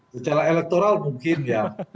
secara elektoral mungkin ya